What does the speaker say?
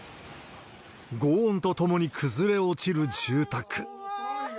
ごう音とともに崩れ落ちる住宅。